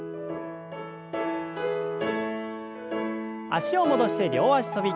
脚を戻して両脚跳び。